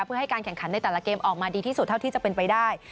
เพื่อให้การแข่งขันในแต่ละเกมออกมาดีที่สุดเท่าที่จะเป็นไปได้